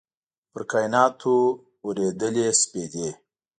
پر کایناتو اوريدلي سپیدې